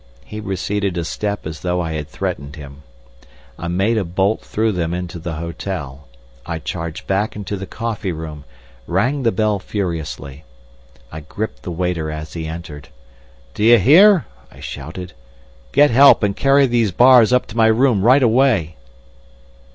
He receded a step as though I had threatened him. I made a bolt through them into the hotel. I charged back into the coffee room, rang the bell furiously. I gripped the waiter as he entered. "D'ye hear?" I shouted. "Get help and carry these bars up to my room right away."